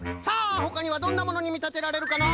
ほかにはどんなものにみたてられるかなあ？